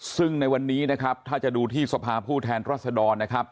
ซึ่งในวันนี้นะครับถ้าจะดูที่สภาผู้แทนรัศดรนะครับ